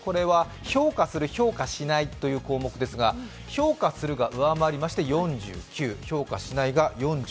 評価する、評価しないということですが評価するが上回りまして４９、評価しないが４６。